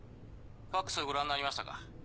ファクスはご覧になりましたか？